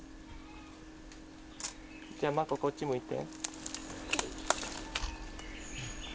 じゃあ眞子、こっち向いて。